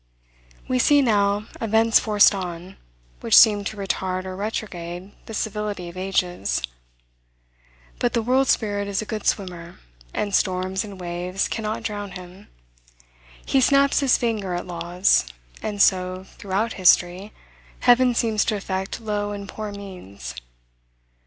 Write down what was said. We see, now, events forced on, which seem to retard or retrograde the civility of ages. But the world spirit is a good swimmer, and storms and waves cannot drown him. He snaps his finger at laws; and so, throughout history, heaven seems to affect low and poor means.